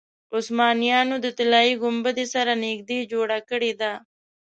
عثمانیانو د طلایي ګنبدې سره نږدې جوړه کړې ده.